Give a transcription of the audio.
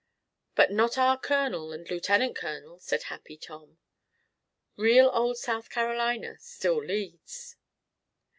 "But not our colonel and lieutenant colonel," said Happy Tom. "Real old South Carolina still leads."